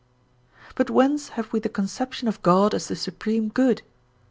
But whence have we the conception of God as the supreme good?